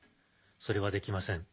それはできません。